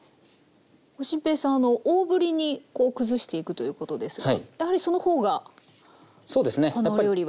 心平さんあの大ぶりにこう崩していくということですがやはりその方がこのお料理は。